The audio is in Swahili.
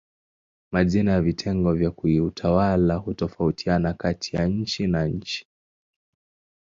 Majina ya vitengo vya kiutawala hutofautiana kati ya nchi na nchi.